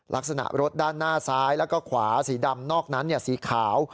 ลักษณะรถด้านหน้าซ้ายแล้วก็ขวาสีดำนอกนั้นสีขาว